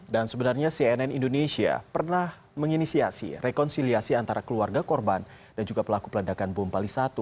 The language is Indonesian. dan sebenarnya cnn indonesia pernah menginisiasi rekonsiliasi antara keluarga korban dan juga pelaku peledakan bumpali satu